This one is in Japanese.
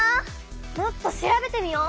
もっと調べてみよう！